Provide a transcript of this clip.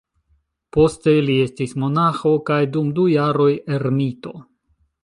Poste li estis monaĥo, kaj dum du jaroj ermito.